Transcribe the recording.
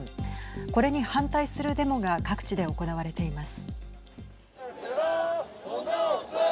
これに反対するデモが各地で行われています。